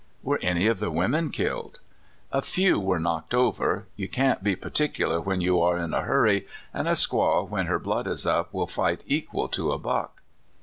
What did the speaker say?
'* Were any of the women killed? " A few were knocked over. You can't be par ticular when you are in a hurry; an' a squaw, when her blood is up, will fight equal to a buck."